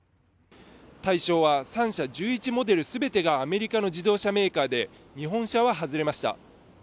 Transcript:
対象は３社１１モデル全てがアメリカの自動車メーカーで、日本車は外れました。